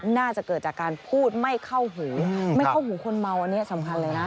น่าจะเกิดจากการพูดไม่เข้าหูไม่เข้าหูคนเมาอันนี้สำคัญเลยนะ